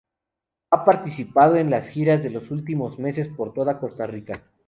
Ha participado en las giras de los últimos meses por toda Costa Rica.